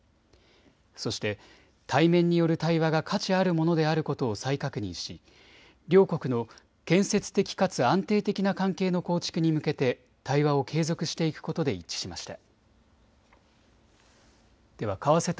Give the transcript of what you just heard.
そして対面による対話が価値あるものであることを再確認し両国の建設的かつ安定的な関係の構築に向けて対話を継続していくことで一致しました。